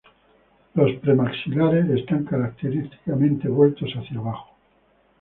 Los premaxilares están característicamente vueltos hacia abajo.